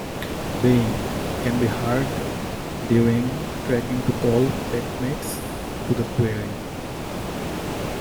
Baying - can be heard during tracking to call pack-mates to the quarry.